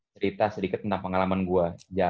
cerita sedikit tentang pengalaman gue